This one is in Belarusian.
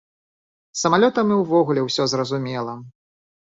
З самалётам і ўвогуле ўсё зразумела.